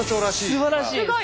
すばらしい！